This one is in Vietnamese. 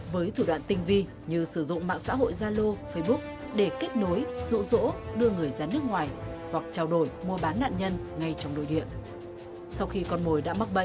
với thủ đoạn tinh vi như sử dụng mạng xã hội zalo facebook để kết nối rỗ rỗ đưa người ra nước ngoài hoặc trao đổi mua bán người